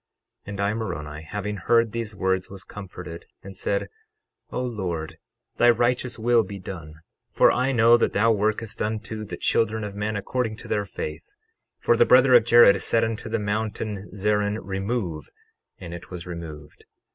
12:29 And I, Moroni, having heard these words, was comforted, and said: O Lord, thy righteous will be done, for I know that thou workest unto the children of men according to their faith; 12:30 For the brother of Jared said unto the mountain Zerin, Remove—and it was removed.